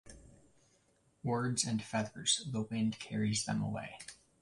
Words and feathers, the wind carries them away.